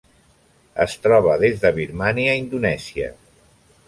Es troba des de Birmània a Indonèsia.